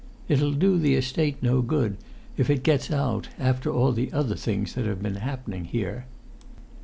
"It'll do the Estate no good, if it gets out, after all the other things that have been happening here."